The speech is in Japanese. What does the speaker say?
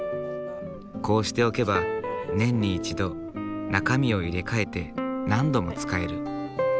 こうしておけば年に１度中身を入れ替えて何度も使える。